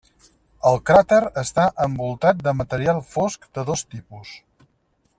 El cràter està envoltat de material fosc de dos tipus.